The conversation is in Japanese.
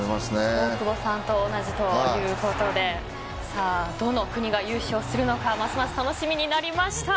大久保さんと同じということでどの国が優勝するのかますます楽しみになりました。